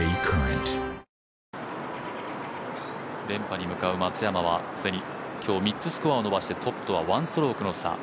連覇に向かう松山は、既に今日３つスコアを伸ばして、トップとは１ストロークの差。